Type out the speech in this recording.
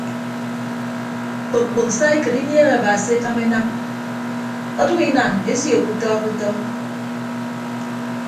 Kpok kpok saikịd inieehe aba se ekama enam ọdʌk inan esio kutọ kutọ.